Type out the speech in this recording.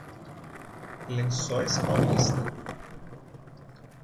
Lençóis Paulista